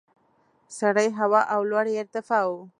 سړې هوا او لوړې ارتفاع وو.